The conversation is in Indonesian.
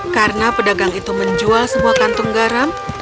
karena pedagang itu menjual semua kantung garam